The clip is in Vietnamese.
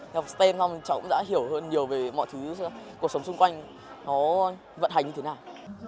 thì học stem sau đó cháu cũng đã hiểu hơn nhiều về mọi thứ cuộc sống xung quanh nó vận hành như thế nào